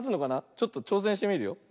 ちょっとちょうせんしてみるよ。